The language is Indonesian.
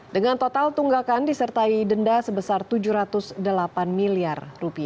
dengan total tunggakan disertai denda sebesar rp tujuh ratus delapan miliar